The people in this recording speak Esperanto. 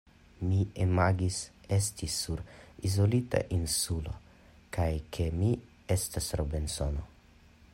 Mi imagis esti sur izolita insulo, kaj ke mi estas Robinsono.